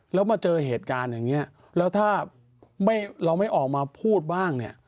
แล้วมาเจอเหตุการณ์อย่างนี้แล้วถ้าเราไม่ออกมาพูดบ้างเนี่ย